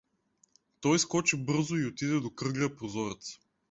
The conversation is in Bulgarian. Той скочи бързо и отиде до кръглия прозорец.